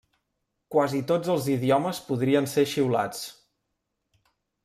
Quasi tots els idiomes podrien ser xiulats.